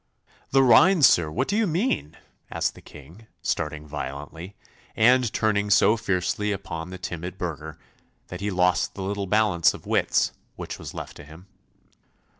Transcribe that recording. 'The rhine, sir! What do you mean?' asked the King, starting violently, and turning so fiercely upon the timid burgher, that he lost the little balance of wits which was left to him.